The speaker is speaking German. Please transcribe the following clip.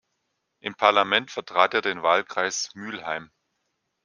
Im Parlament vertrat er den Wahlkreis Mülheim.